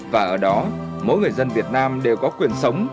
và ở đó mỗi người dân việt nam đều có quyền sống